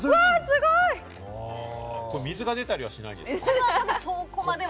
すごい！水が出たりはしないんですかね？